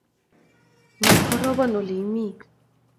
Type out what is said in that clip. Amat korobon ole imi.